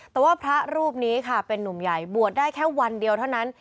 แต่ว่าพระรูปนี้ค่ะเป็นนุ่มใหญ่บวชได้แค่วันเดียวเท่านั้น